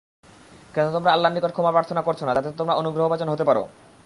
কেন তোমরা আল্লাহর নিকট ক্ষমা প্রার্থনা করছ না, যাতে তোমরা অনুগ্রহভাজন হতে পার?